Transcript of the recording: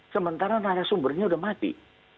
sementara raya sumbernya sudah mati